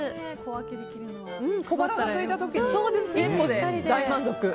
小腹がすいた時に１個で大満足。